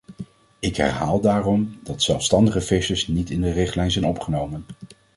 Ik herhaal daarom dat zelfstandige vissers niet in de richtlijn zijn opgenomen.